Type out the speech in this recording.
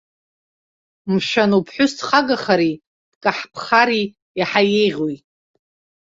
Мшәан, уԥҳәыс дхагахари дкаҳԥхари еиҳа еиӷьуи?